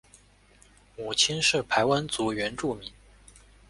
母亲是排湾族原住民。